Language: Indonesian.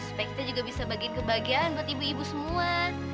supaya kita juga bisa bagiin kebahagiaan buat ibu ibu semua